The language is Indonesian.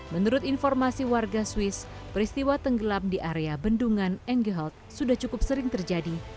menurut informasi warga swiss peristiwa tenggelam di area bendungan engelt sudah cukup sering terjadi